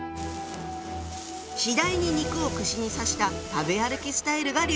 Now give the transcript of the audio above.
次第に肉を串に刺した食べ歩きスタイルが流行。